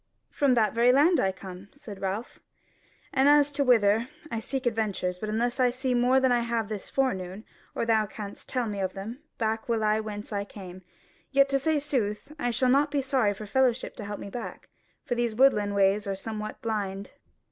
"From that very land I come," said Ralph, "and as to whither, I seek adventures; but unless I see more than I have this forenoon, or thou canst tell me of them, back will I whence I came: yet to say sooth, I shall not be sorry for a fellow to help me back, for these woodland ways are some what blind."